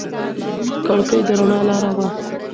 کړکۍ د رڼا لاره وه.